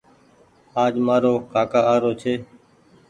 آج مآرو ڪآڪآ آرو ڇي